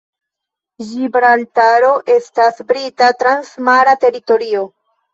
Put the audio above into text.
Ĝibraltaro estas Brita transmara teritorio.